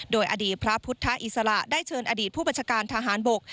โดยอดีตพระพุทธอิสระได้เชิญอดีตผู้บัญชาการทหารบก